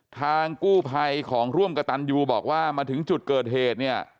ทางกู้ภัยของร่วมกระตันยูบอกว่ามาถึงจุดเกิดเหตุเนี่ย